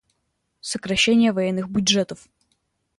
Сокращение военных бюджетов.